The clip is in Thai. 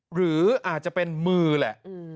หรืออาจจะเป็นมือแหละ